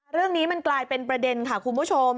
เรื่องนี้มันกลายเป็นประเด็นค่ะคุณผู้ชม